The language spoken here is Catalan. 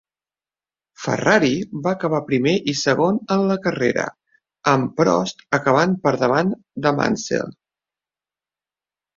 Ferrari va acabar primer i segon en la carrera, amb Prost acabant per davant de Mansell.